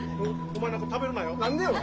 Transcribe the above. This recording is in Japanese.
お前なんか食べるなよ。